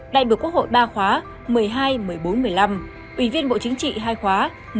đại biểu quốc hội ba khóa một mươi hai một mươi bốn một mươi năm ủy viên bộ chính trị hai khóa một mươi hai một mươi ba